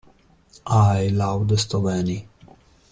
I loudest of any.